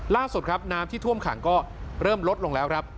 ล่าสุดครับน้ำที่ท่วมขังก็เริ่มลดลงแล้วครับ